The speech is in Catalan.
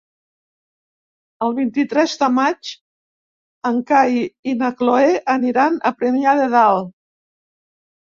El vint-i-tres de maig en Cai i na Cloè aniran a Premià de Dalt.